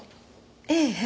ええ。